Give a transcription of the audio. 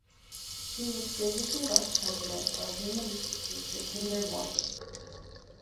He was previously Vice President of Human Resources for Kinder Morgan.